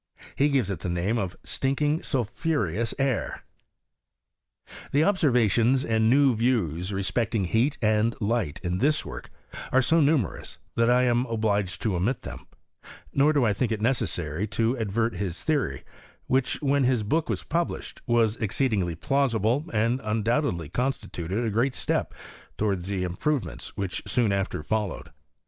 He gives it the name of stinking sulphureous air. The observations and new views respecting heat and light in this work are so numerous, that I am obliged to omit them : nor do I think it necessary to advert to his theory, which, when his book was published, was exceedingly plausible, and undoubt edly constituted a great step towards the improve ments which soon after followed.